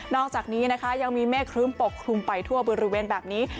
อกจากนี้นะคะยังมีเมฆครึ้มปกคลุมไปทั่วบริเวณแบบนี้